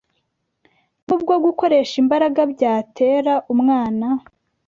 nubwo gukoresha imbaraga byatera umwana